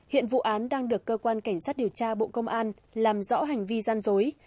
hiện vụ án đang được cơ quan cảnh sát điều tra bộ công an làm rõ hành vi gian dối